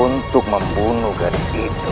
untuk membunuh gadis itu